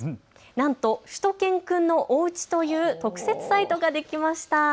なんとしゅと犬くんのおうちという特設サイトができました。